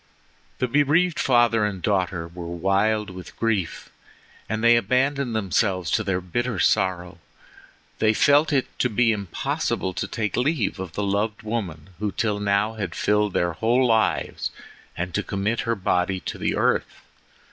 The bereaved father and daughter were wild with grief, and they abandoned themselves to their bitter sorrow. They felt it to be impossible to take leave of the loved woman who till now had filled their whole lives and to commit her body to the earth.